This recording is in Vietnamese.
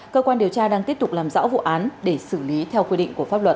cơ quan điều tra đang tiếp tục làm rõ vụ án để xử lý theo quy định của pháp luật